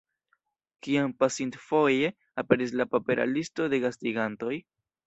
Kiam pasintfoje aperis la papera listo de gastigantoj?